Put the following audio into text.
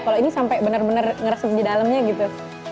kalau ini sampai bener bener ngeresep di dalamnya gitu